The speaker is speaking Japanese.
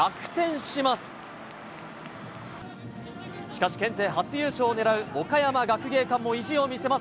しかし、県勢初優勝を狙う岡山学芸館も意地を見せます。